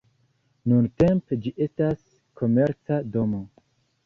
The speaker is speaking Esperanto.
Nuntempe ĝi estas komerca domo.